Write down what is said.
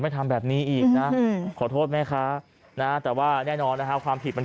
ทำแบบนี้อีกนะขอโทษแม่ค้านะแต่ว่าแน่นอนนะฮะความผิดมัน